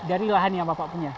dari lahan yang bapak punya